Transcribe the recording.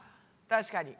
確かに。